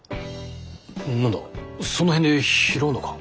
何だその辺で拾うのか？